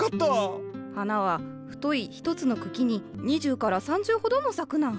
花は太い１つの茎に２０から３０ほども咲くナン。